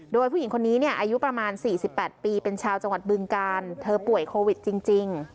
โดยผู้หญิงคนนี้เนี่ยอายุประมาณ๔๘ปีเป็นชาวจังหวัดบึงการเธอป่วยโควิดจริง